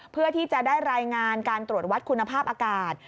เพื่อที่จะได้รายงานการตรวจวัดคุณภาพอากาศ